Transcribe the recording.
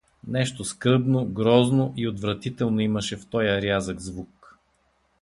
Нещо скръбно, грозно и отвратително имаше в тоя рязък звук.